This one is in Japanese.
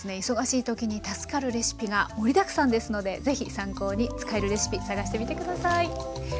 忙しい時に助かるレシピが盛りだくさんですので是非参考に使えるレシピ探してみて下さい。